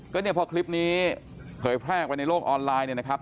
ก็เนี่ยพอคลิปนี้เผยแพร่ไปในโลกออนไลน์เนี่ยนะครับ